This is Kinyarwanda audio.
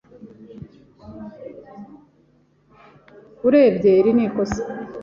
Urebye, iri ni ikosa.